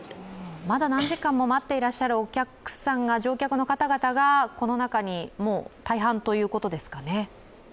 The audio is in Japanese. まだ何時間も待っているお客さん、乗客の方々がこの中に大半ということですかね。